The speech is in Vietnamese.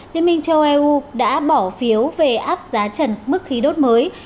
liên minh châu âu đã bỏ phiếu về áp giá trần mức khí đốt mới